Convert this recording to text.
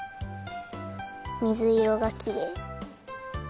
みずいろがきれい。